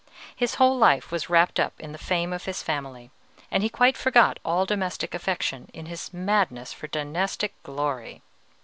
His whole life was wrapped up in the fame of his family, and he quite forgot all domestic affection in his madness for dynastic glory.